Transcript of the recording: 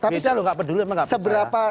bisa loh gak peduli emang gak percaya